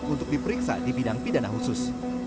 untuk diperiksa di bidang pidana khusus